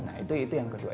nah itu yang kedua